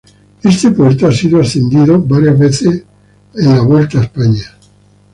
Este puerto ha sido ascendido varias veces en la Vuelta a España.